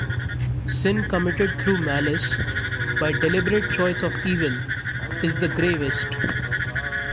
Sin committed through malice, by deliberate choice of evil, is the gravest.